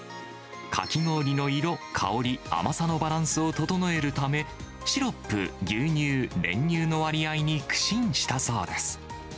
かき氷の色、香り、甘さのバランスをととのえるため、シロップ、牛乳、練乳の割合に苦心したそうです。